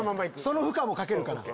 その負荷もかけるから。